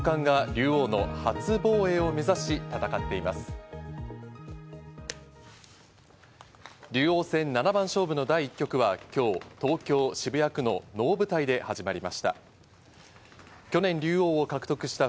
竜王戦七番勝負の第１局は今日、東京・渋谷区の能舞台で始まりました。